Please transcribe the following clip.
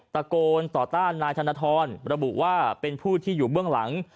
ตะโกนต่อต้านนายธนทรระบุว่าเป็นผู้ที่อยู่เบื้องหลัง